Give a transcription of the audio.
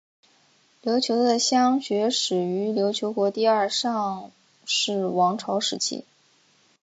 琉球的乡学始于琉球国第二尚氏王朝时期。